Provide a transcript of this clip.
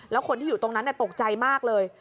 แล้วคนที่อยู่ตรงนั้นตกใจมากเลย